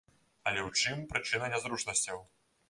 Але ў чым прычына нязручнасцяў?